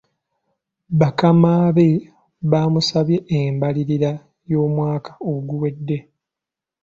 Bakama be bamusabye embalirira y'omwaka oguwedde.